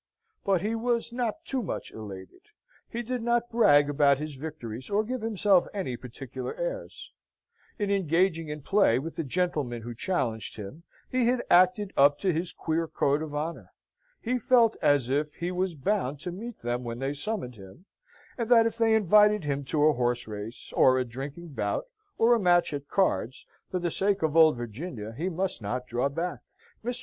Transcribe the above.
But he was not too much elated. He did not brag about his victories or give himself any particular airs. In engaging in play with the gentlemen who challenged him, he had acted up to his queer code of honour. He felt as if he was bound to meet them when they summoned him, and that if they invited him to a horse race, or a drinking bout, or a match at cards, for the sake of Old Virginia he must not draw back. Mr.